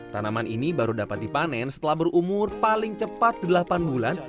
tanaman ini baru dapat dipanen setelah berumur paling cepat delapan bulan